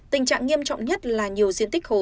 tình trạng nghiêm trọng nhất là nhiều diện tích hồ